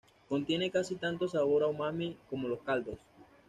Contiene casi tanto sabor a umami como los caldos.